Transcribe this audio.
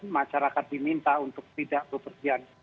masyarakat diminta untuk tidak berpergian